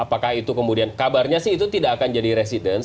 apakah itu kemudian kabarnya sih itu tidak akan jadi residence